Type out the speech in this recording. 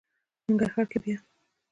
ننګرهار کې بیا...